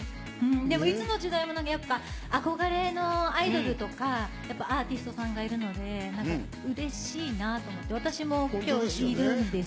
でもいつの時代もなんかやっぱ、憧れのアイドルとか、やっぱアーティストさんがいるので、うれしいなと思って、私もきょういるんです。